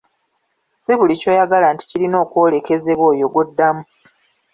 Si buli ky'oyagala nti kirina okwolekezebwa oyo gw'oddamu.